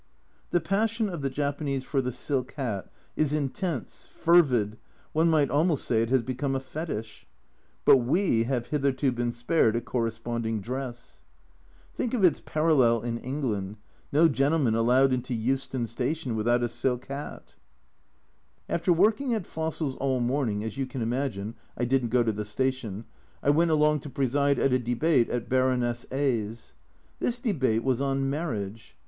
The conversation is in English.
The passion of the Japanese for the silk hat is intense, fervid, one might almost say it has become a fetish. But we have hitherto been spared a corre sponding dress ! Think of its parallel in England no gentleman allowed into Euston Station without a silk hat. 228 A Journal from Japan After working at fossils all morning (as you can imagine, I didn't go to the station) I went along to preside at a Debate at Baroness d'A 's. This Debate was on marriage.